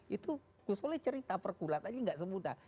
itu gus solah cerita perkulatannya enggak semudah